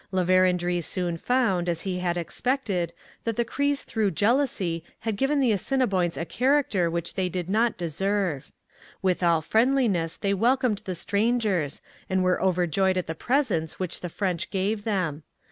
La Vérendrye soon found, as he had expected, that the Crees through jealousy had given the Assiniboines a character which they did not deserve. With all friendliness they welcomed the strangers and were overjoyed at the presents which the French gave them.